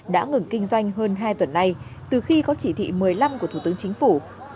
đã ngừng kinh doanh hơn hai tuần nay từ khi có chỉ thị một mươi năm của thủ tướng chính phủ